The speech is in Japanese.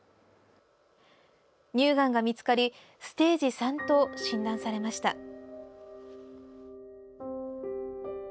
乳がんが見つかりステージ３と診断されました。